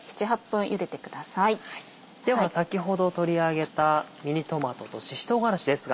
では先ほど取り上げたミニトマトとしし唐辛子ですが。